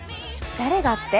誰がって？